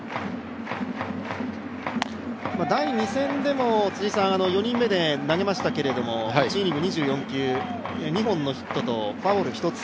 第２戦でも４人目で投げましたけど、１イニング２４球、２本のヒットとフォアボール１つ。